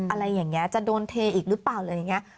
อะไรอย่างนี้จะโดนเทอีกหรือเปล่าหรืออะไรอย่างนี้